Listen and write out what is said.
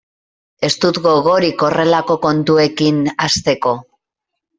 Ez dut gogorik horrelako kontuekin hasteko.